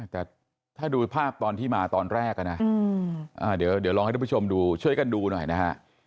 แต่ถ้าดูภาพตอนที่มาตอนแรกนะเดี๋ยวลองให้ทุกผู้ชมดูช่วยกันดูหน่อยนะฮะ